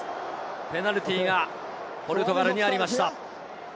ペナルティーがポルトガルにありました。